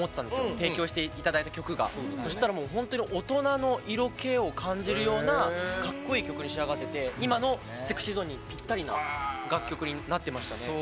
提供していただいた曲がそしたら、本当に大人の色気を感じるようなかっこいい曲に仕上がってて今のＳｅｘｙＺｏｎｅにぴったりな楽曲になってましたね。